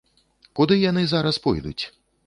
Куды яны зараз пойдуць?